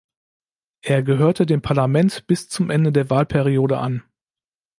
Er gehörte dem Parlament bis zum Ende der Wahlperiode an.